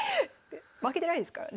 負けてないですからね。